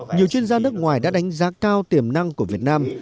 nhiều chuyên gia nước ngoài đã đánh giá cao tiềm năng của việt nam